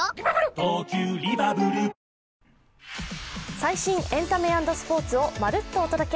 最新エンタメ＆スポーツをまるっとお届け。